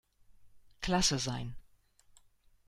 Klasse sein.